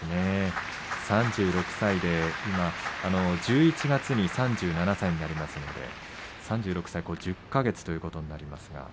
３６歳で１１月に３７歳になりますので３６歳１０か月ということになります。